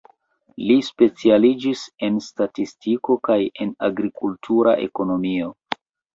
Li specialiĝis en statistiko kaj en agrikultura ekonomio.